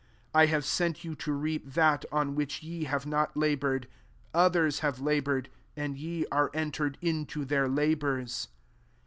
38 I have sent you to reap that on which ye have not la boured: others have laboured, and ye are entered into their labours."